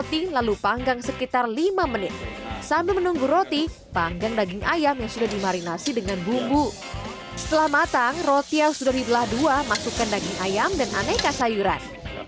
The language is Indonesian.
sampai matang roti yang sudah diberi daging ayam masukan daging ayam dan aneka sayuran